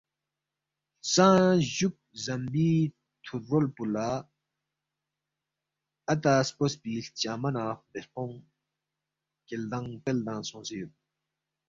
ہلژانگ جوک زمبی تھور رول پو لا ی آتا سپوسپی ہلچنگمہ نہ غبیرفونگ کیلدانگ پلدانگ سونگسے یود۔